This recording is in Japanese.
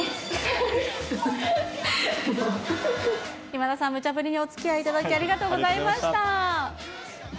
今田さん、むちゃ振りにおつきあいいただき、ありがとうございました。